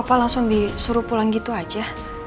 apa langsung disuruh pulang gitu aja